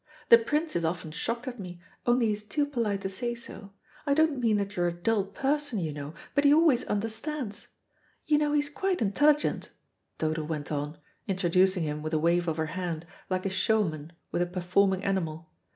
The Prince is often shocked at me, only he's too polite to say so. I don't mean that you're a dull person, you know, but he always understands. You know he's quite intelligent," Dodo went on, introducing him with a wave of her hand, like a showman with a performing animal.